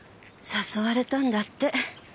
誘われたんだって。